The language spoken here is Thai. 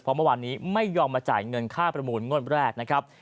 เพราะเมื่อวานนี้ไม่ยอมมาจ่ายเงินค่าประมูลงวดแรกนะครับ